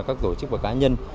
các tổ chức và cá nhân